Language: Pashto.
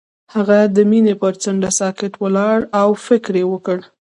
هغه د مینه پر څنډه ساکت ولاړ او فکر وکړ.